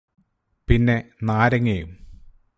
പിന്നെ നാരങ്ങയും